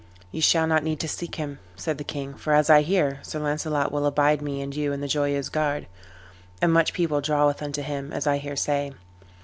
"Ye shall not need to seek him," said the king, "for as I hear, Sir Launcelot will abide me and you in the Joyeuse Garde; and much people draweth unto him, as I hear say."